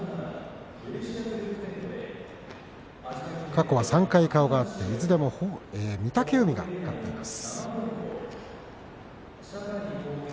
過去は３回顔があっていずれも御嶽海が勝っています。